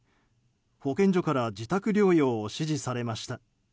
保健所から自宅療養を指示されました。